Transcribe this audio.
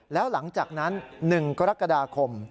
แล้วหลังจากนั้น๑กรกฎาคม